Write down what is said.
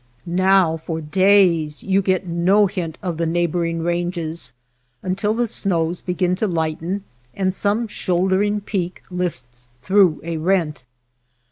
Now for days you get no hint of the neigh boring ranges until the snows begin to lighten and some shouldering peak lifts through a rent.